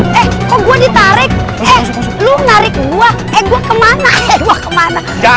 lu menarik gua gua kemana mana